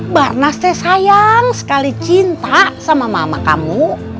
barnas teh sayang sekali cinta sama mama kamu